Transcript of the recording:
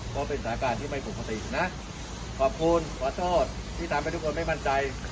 เพราะเป็นสถานการณ์ที่ไม่ปกตินะขอบคุณขอโทษที่ทำให้ทุกคนไม่มั่นใจ